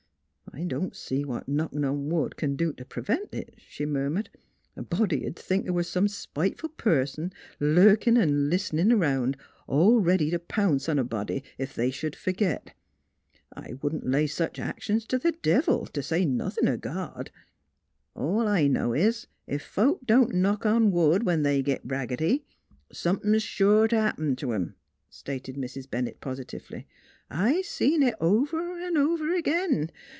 " I don't see what knockin' on wood c'n do t' pr'vent it," she murmured. " A body'd think th' was some spiteful person lurkin' an' list'nin' round, 'n' all ready t' pounce on a body ef they sh'd fergit. I wouldn't lay sech actions t' th' devil, t' say nothin' o' God." " All I know is, ef folks don't knock on wood, when they git braggity, somethin's sure t' happen t' 'em," stated Mrs. Bennett positively. " I seen it over 'n' over agin.